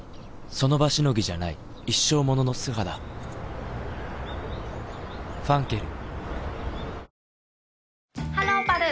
その場しのぎじゃない一生ものの素肌磧ファンケル」